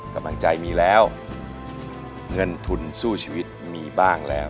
กำลังใจมีแล้วเงินทุนสู้ชีวิตมีบ้างแล้ว